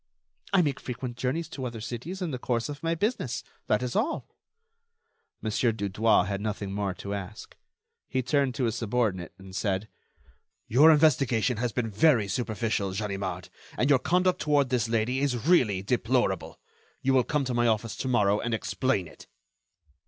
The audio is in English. "I make frequent journeys to other cities in the course of my business. That is all." Mon. Dudouis had nothing more to ask. He turned to his subordinate, and said: "Your investigation has been very superficial, Ganimard, and your conduct toward this lady is really deplorable. You will come to my office to morrow and explain it."